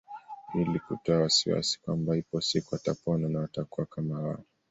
Ili kutoa wasiwasi kwamba ipo siku watapona na watakuwa kama wao